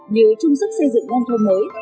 như trung sức xây dựng ngân thôn mới